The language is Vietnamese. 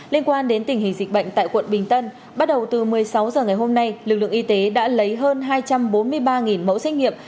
liên quan đến tình hình dịch bệnh tại quận bình tân bắt đầu từ một mươi sáu h ngày hôm nay lực lượng y tế đã lấy hơn hai trăm bốn mươi ba mẫu xét nghiệm